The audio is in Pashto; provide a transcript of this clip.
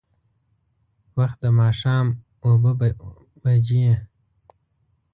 وخت د ماښام اوبه بجې.